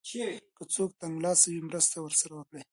که څوک تنګلاسی وي مرسته ورسره وکړئ.